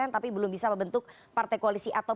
tapi belum bisa membentuk partai koalisi atau